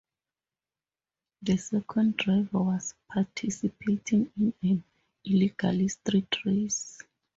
The second driver was participating in an illegal street race.